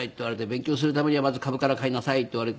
「勉強するためにはまず株から買いなさい」って言われて。